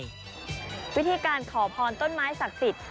วิธีการขอพรต้นไม้ศักดิ์สิทธิ